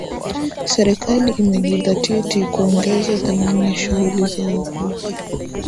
Serikali imejidhatiti kuongeza thamani ya shughuli za uvuvi